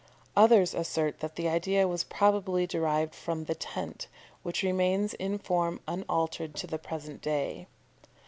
Others assert that the idea was probably derived from the tent, which remains in form unaltered to the present day.